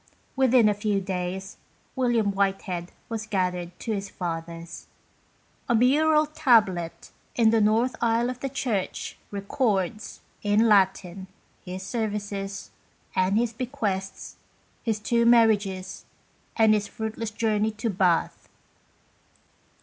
Within a few days, William Whitehead was gathered to his fathers. A mural tablet in the north aisle of the church, records, in Latin, his services and hia bequests, his two marriages, and his fruitless journey to Bath.